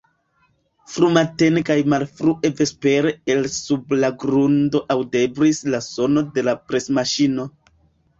Frumatene kaj malfrue vespere el sub la grundo aŭdeblis la sono de la presmaŝino.